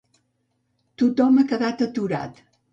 Tothom ha quedat aturat.